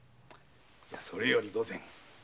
それより御前。